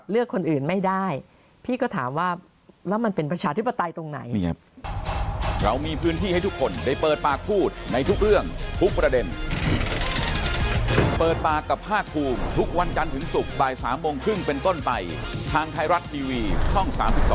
เลือกคนอื่นไม่ได้พี่ก็ถามว่าแล้วมันเป็นประชาธิปไตยตรงไหน